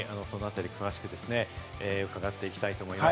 詳しく伺っていきたいと思います。